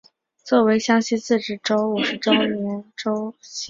作为湘西自治州五十周年州庆献礼。